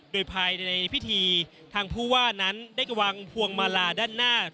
โดยภายในพิธีทางผู้ว่านั้นได้กระวางพวงมาลาด้านหน้า